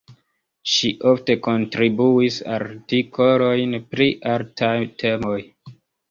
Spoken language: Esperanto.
Ŝi ofte kontribuis artikolojn pri artaj temoj.